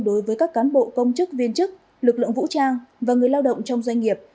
đối với các cán bộ công chức viên chức lực lượng vũ trang và người lao động trong doanh nghiệp